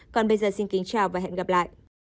còn bây giờ xin kính chào và hẹn gặp lại